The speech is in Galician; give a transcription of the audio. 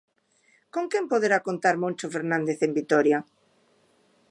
Con quen poderá contar Moncho Fernández en Vitoria?